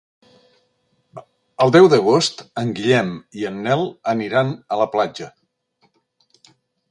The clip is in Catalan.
El deu d'agost en Guillem i en Nel aniran a la platja.